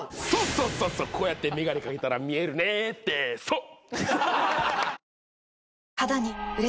そうそうそうこうやって眼鏡掛けたら見えるねってそっ！